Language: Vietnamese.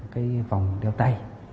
cái phòng đeo tay